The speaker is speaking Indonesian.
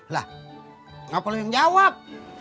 lah ngapain lu yang jawab